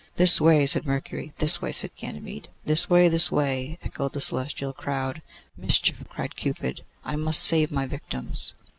'This way,' said Mercury. 'This way,' said Ganymede. 'This way, this way!' echoed the celestial crowd. 'Mischief!' cried Cupid; 'I must save my victims.